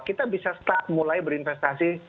kita bisa mulai berinvestasi